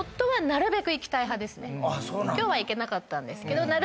夫は今日は行けなかったんですけどあ